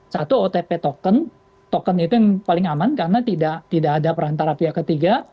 satu otp token token itu yang paling aman karena tidak ada perantara pihak ketiga